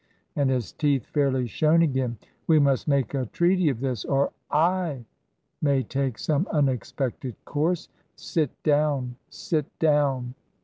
and his teeth fairly shone again. 'We must make a treaty of this, or I may take some unexpected course. Sit down, sit down!'